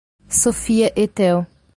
Sophia e Théo